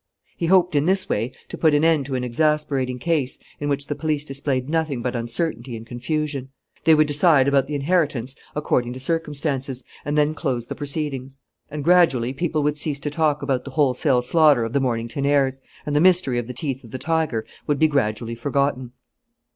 He hoped in this way to put an end to an exasperating case in which the police displayed nothing but uncertainty and confusion. They would decide about the inheritance according to circumstances and then close the proceedings. And gradually people would cease to talk about the wholesale slaughter of the Mornington heirs; and the mystery of the teeth of the tiger would be gradually forgotten.